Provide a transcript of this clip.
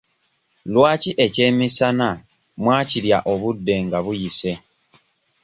Lwaki ekyemisana mwakirya obudde nga buyise?